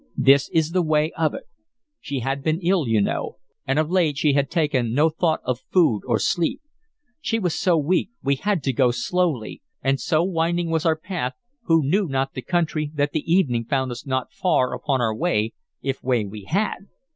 "This is the way of it. She had been ill, you know, and of late she had taken no thought of food or sleep. She was so weak, we had to go so slowly, and so winding was our path, who knew not the country, that the evening found us not far upon our way, if way we had.